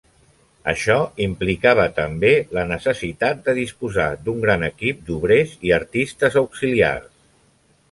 Això implicava també la necessitat de disposar d'un gran equip d'obrers i artistes auxiliars.